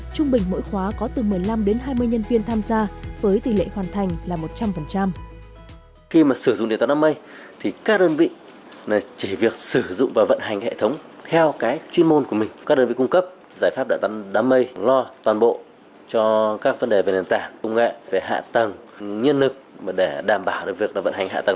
trung bình mỗi khóa có từ một mươi năm đến hai mươi nhân viên tham gia với tỷ lệ hoàn thành là một trăm linh